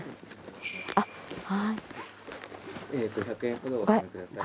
５００円ほどお納めください。